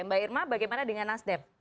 mbak irma bagaimana dengan nasdem